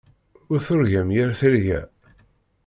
Ur turgam yir tirga.